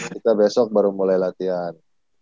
kita besok baru mulai latihan